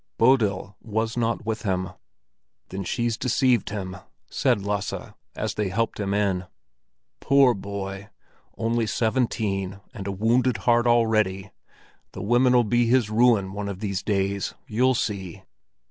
Bodil was not with him. "Then she's deceived him," said Lasse, as they helped him in. "Poor boy! Only seventeen, and a wounded heart already! The women'll be his ruin one of these days, you'll see!"